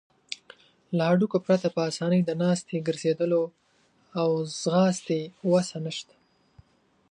له هډوکو پرته په آسانۍ د ناستې، ګرځیدلو او ځغاستې وسه نشته.